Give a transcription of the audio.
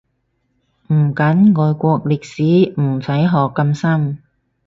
唔緊，外國歷史唔使學咁深